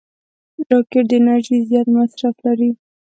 راکټ د انرژۍ زیات مصرف لري